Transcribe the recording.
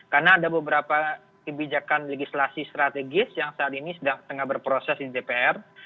karena ada beberapa kebijakan legislasi strategis yang saat ini sedang berproses di dpr